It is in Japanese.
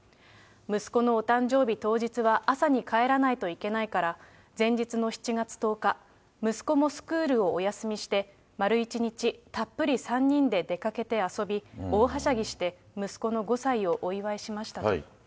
息子のお誕生日当日は、朝に帰らないといけないから、前日の７月１０日、息子もスクールをお休みして、丸一日たっぷり３人で出かけて遊び、大はしゃぎして、息子の５歳をお祝いしましたと。